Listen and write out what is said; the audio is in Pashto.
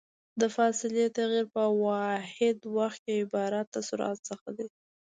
د فاصلې تغير په واحد وخت کې عبارت د سرعت څخه ده.